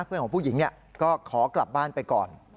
เพื่อนของผู้หญิงก็ขอกลับบ้านไปก่อน